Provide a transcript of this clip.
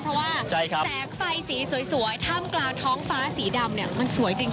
เพราะว่าแสงไฟสีสวยถ้ำกลางท้องฟ้าสีดำเนี่ยมันสวยจริง